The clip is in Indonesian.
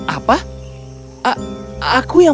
apa aku yang